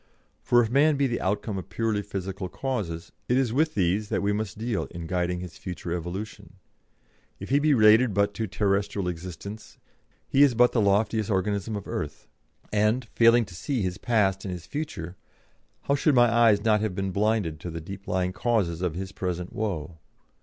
For if man be the outcome of purely physical causes, it is with these that we must deal in guiding his future evolution. If he be related but to terrestrial existence, he is but the loftiest organism of earth; and, failing to see his past and his future, how should my eyes not have been then blinded to the deep lying causes of his present woe?